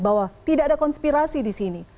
bahwa tidak ada konspirasi di sini